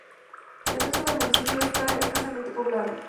El resto del municipio está escasamente poblado.